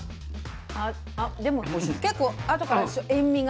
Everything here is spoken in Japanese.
あでも結構あとから塩味が。